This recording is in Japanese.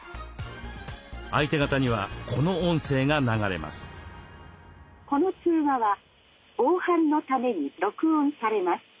相手方にはこの音声が流れます。